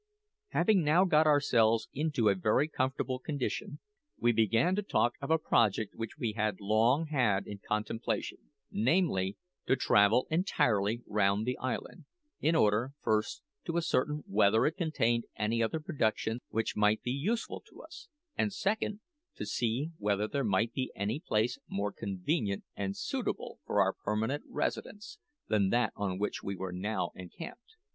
Having now got ourselves into a very comfortable condition, we began to talk of a project which we had long had in contemplation namely, to travel entirely round the island, in order, first, to ascertain whether it contained any other productions which might be useful to us; and, second, to see whether there might be any place more convenient and suitable for our permanent residence than that on which we were now encamped.